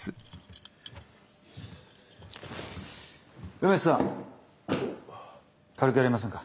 梅津さん軽くやりませんか？